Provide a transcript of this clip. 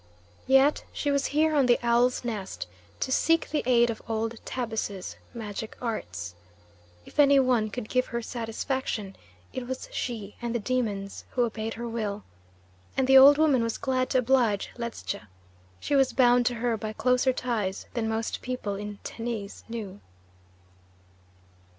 Yet she was here on the Owl's Nest to seek the aid of old Tabus's magic arts. If any one could give her satisfaction, it was she and the demons who obeyed her will, and the old woman was glad to oblige Ledscha; she was bound to her by closer ties than most people in Tennis knew.